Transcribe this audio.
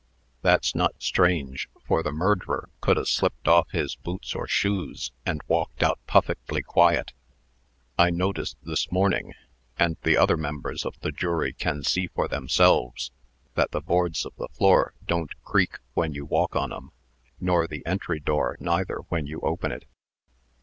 "That's not strange; for the murd'rer could 'a' slipped off his boots or shoes, and walked out puffickly quiet. I noticed, this mornin', and the other members of the jury can see for themselves, that the boards of the floor don't creak when you walk on 'em, nor the entry door neither when you open it.